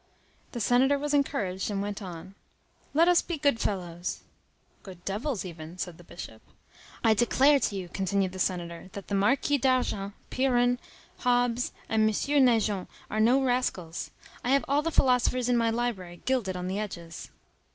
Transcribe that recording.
The senator was encouraged, and went on:— "Let us be good fellows." "Good devils even," said the Bishop. "I declare to you," continued the senator, "that the Marquis d'Argens, Pyrrhon, Hobbes, and M. Naigeon are no rascals. I have all the philosophers in my library gilded on the edges."